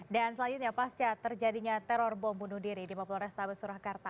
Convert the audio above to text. dan selanjutnya pasca terjadinya teror bom bunuh diri di popul restoran surakarta